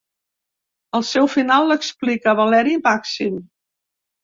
El seu final l'explica Valeri Màxim.